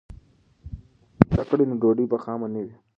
که نجونې پخلی زده کړي نو ډوډۍ به خامه نه وي.